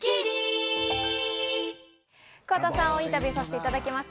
桑田さんをインタビューさせていただきました。